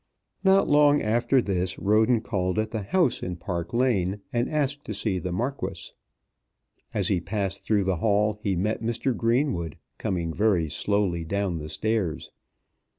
Not long after this Roden called at the house in Park Lane, and asked to see the Marquis. As he passed through the hall he met Mr. Greenwood coming very slowly down the stairs.